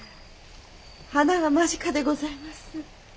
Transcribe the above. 花が間近でございます。